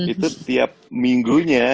itu tiap minggu nya